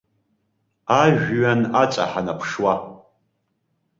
Ажәҩан аҵа ҳанаԥшуа.